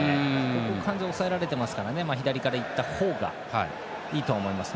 ここが完全に抑えられていますから左から行った方がいいと思います